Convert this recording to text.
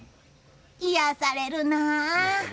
癒やされるなあ！